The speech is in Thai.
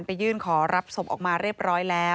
พบหน้าลูกแบบเป็นร่างไร้วิญญาณ